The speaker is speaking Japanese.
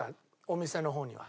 お店の方には。